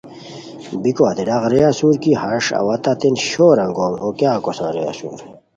بیکو ہتے ڈاق رے اسور کی ہݰ اوا تتین شور انگوم ہو کیاغ کوسان رے اسور